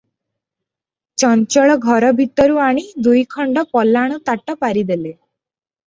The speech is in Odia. ଚଞ୍ଚଳ ଘର ଭିତରୁ ଆଣି ଦୁଇଖଣ୍ଡ ପଲାଣ ତାଟ ପାରିଦେଲେ ।